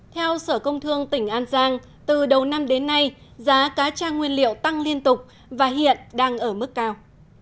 theo sở công thương tỉnh an giang từ đầu năm đến nay giá cá tra nguyên liệu tăng liên tục và hiện đang ở mức cao